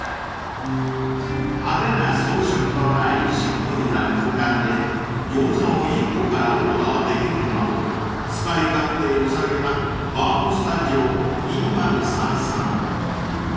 ［派手な装飾のないシンプルな空間で餃子を１個からオーダーできるなど使い勝手よさげなｆａｒｍｓｔｕｄｉｏ＃２０３さん］